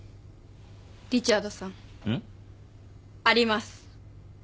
あります。